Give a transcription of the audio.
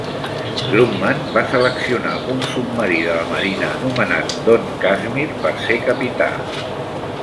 Grumman va seleccionar un submarí de la Marina anomenat Don Kazimir per ser capità.